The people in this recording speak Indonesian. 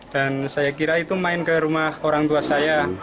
dan saya kira itu main ke rumah orang tua saya